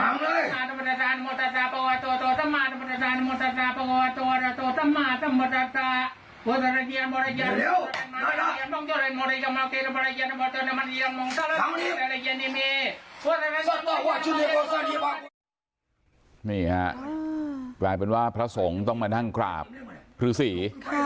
นี่ฮะกลายเป็นว่าพระสงฆ์ต้องมานั่งกราบฤษี